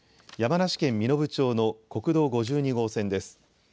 山梨県身延町の国道５２号線です。